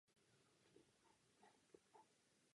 To je jejich věc.